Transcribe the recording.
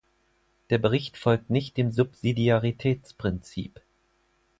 Der Bericht folgt nicht dem Subsidiaritätsprinzip.